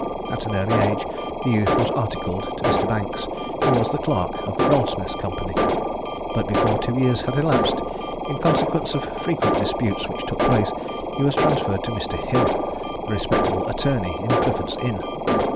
At an early age the youth was articled to Mr. Banks, who was clerk of the Goldsmiths' Company; but before two years had elapsed, in consequence of frequent disputes which took place, he was transferred to Mr. Hill, a respectable attorney in Clifford's Inn.